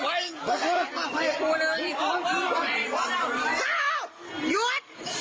ห้าวหยุด